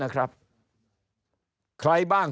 ใครบ้าง